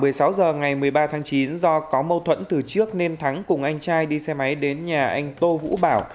vào ngày một mươi ba tháng chín do có mâu thuẫn từ trước nên thắng cùng anh trai đi xe máy đến nhà anh tô vũ bảo